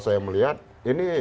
saya melihat ini